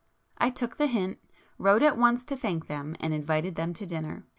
I took the hint,—wrote at once to thank them, and invited them to dinner.